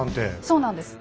そうなんです。